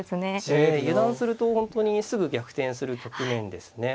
ええ油断すると本当にすぐ逆転する局面ですね。